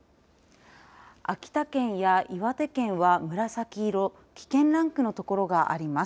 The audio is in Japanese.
秋田県や岩手県は紫色危険ランクのところがあります。